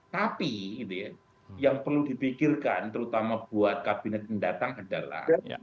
tapi yang perlu dibikirkan terutama buat kabinet yang datang adalah